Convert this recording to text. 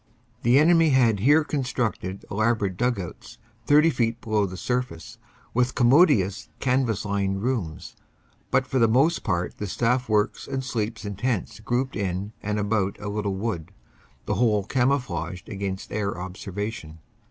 The enemy had here constructed elaborate dug outs, 30 feet below the surface, with commodious canvas lined rooms. But for the most part the staff works and sleeps in tents grouped in and about a little wood, the whole camouflaged against air observation.